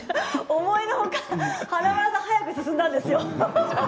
思いのほか華丸さんが早く進んだんですよ。